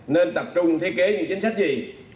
nên tập trung thiết kế những chính sách gì